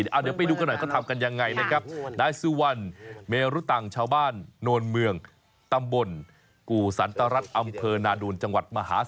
เดี๋ยวไปดูกันหน่อยเขาทำกันยังไงนะครับ